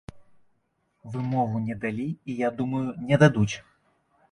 Вымову не далі, і я думаю, не дадуць.